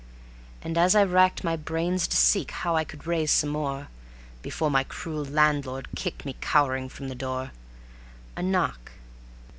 And as I racked my brains to seek how I could raise some more, Before my cruel landlord kicked me cowering from the door: A knock